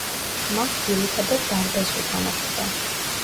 მას ძირითადად დარბაზში თამაშობენ.